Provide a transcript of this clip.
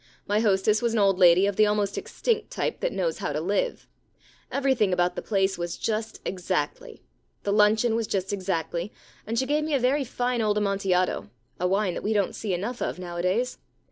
My hostess was an old lady of the almost extinct type that knows how to live. Everything about the place was just exactly. The luncheon was just exactly. And she gave me a very fine old Amontillado — a wine that v/e don't see enough of nowa days.